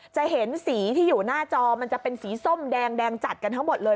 จะเห็นสีที่อยู่หน้าจอมันจะเป็นสีส้มแดงจัดกันทั้งหมดเลย